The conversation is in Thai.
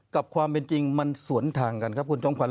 กับความเป็นจริงมันสวนทางกันครับคุณจอมขวั